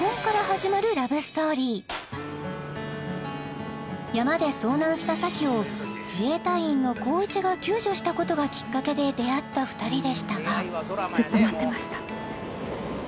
演じる紘一の山で遭難した咲を自衛隊員の紘一が救助したことがきっかけで出会った２人でしたがずっと待ってました